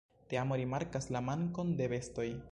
Teamo rimarkas la mankon de bestoj.